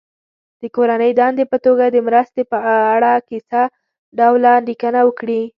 د کورنۍ دندې په توګه د مرستې په اړه کیسه ډوله لیکنه وکړي.